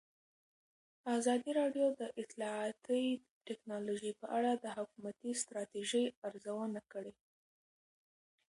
ازادي راډیو د اطلاعاتی تکنالوژي په اړه د حکومتي ستراتیژۍ ارزونه کړې.